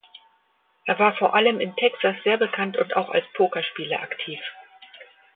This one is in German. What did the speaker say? Er war vor allem in Texas sehr bekannt und auch als Pokerspieler aktiv.